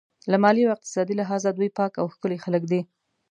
له مالي او اقتصادي لحاظه دوی پاک او ښکلي خلک دي.